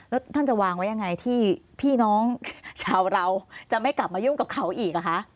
แล้วท่านจะวางไว้ยังไงที่พี่น้องชาวเราจะไม่กลับมายุ่งกับเขาอีกอ่ะคะ